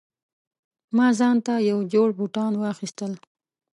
ما ځانته یو جوړ بوټان واخیستل